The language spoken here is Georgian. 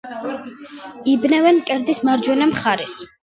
იბნევენ მკერდის მარჯვენა მხარეს.